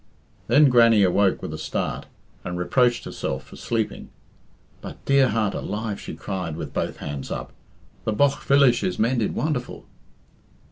Then Grannie awoke with a start, and reproached herself for sleeping. "But dear heart alive," she cried, with both hands up, "the bogh villish is mended wonderful."